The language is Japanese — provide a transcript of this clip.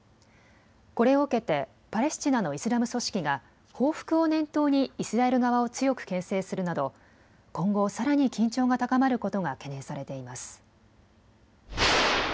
これを受けてパレスチナのイスラム組織が報復を念頭にイスラエル側を強くけん制するなど今後さらに緊張が高まることが懸念されています。